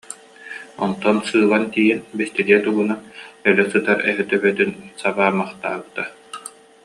Онтон сыылан тиийэн бэстилиэт угунан өлө сытар эһэ төбөтүн сабаамахтаабыта